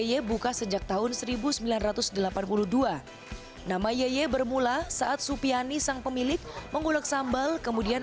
ye buka sejak tahun seribu sembilan ratus delapan puluh dua nama yeye bermula saat supiani sang pemilik mengulek sambal kemudian